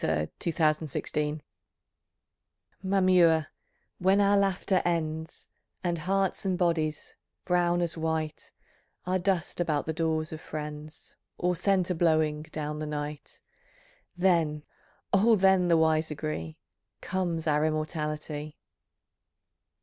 THE SOUTH SEAS TIARE TAHITI Mamua, when our laughter ends, And hearts and bodies, brown as white, Are dust about the doors of friends, Or scent ablowing down the night, Then, oh! then, the wise agree, Comes our immortality.